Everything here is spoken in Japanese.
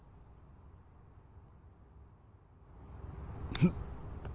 ふっ。